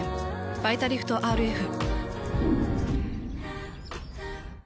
「バイタリフトＲＦ」。